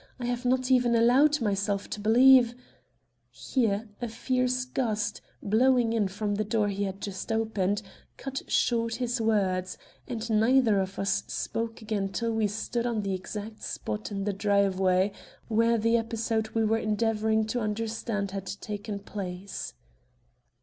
I have not even allowed myself to believe " Here a fierce gust, blowing in from the door he had just opened, cut short his words, and neither of us spoke again till we stood on the exact spot in the driveway where the episode we were endeavoring to understand had taken place.